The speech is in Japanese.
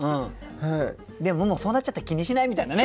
でももうそうなっちゃったら気にしないみたいなね。